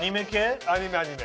アニメアニメ